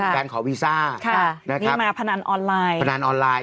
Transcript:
การขอวิซานี่มาพนันออนไลน์